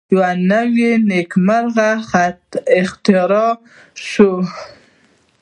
یوه نوی نیمګړی خط اختراع شو.